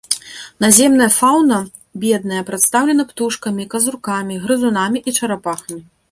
Наземная фаўна бедная, прадстаўлена птушкамі, казуркамі, грызунамі і чарапахамі.